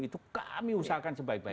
itu kami usahakan sebaik baiknya